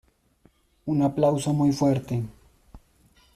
Un aplauso muy fuerte".